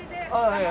はい。